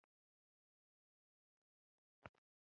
ntabwo nigeze mfata icyemezo cy'umwaka mushya